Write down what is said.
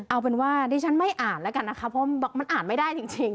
เอาเป็นว่าดิฉันไม่อ่านแล้วกันนะคะเพราะมันอ่านไม่ได้จริง